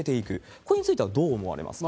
これについてはどう思われますか？